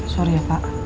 sorry ya pak